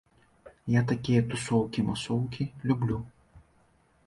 Я такія тусоўкі-масоўкі люблю.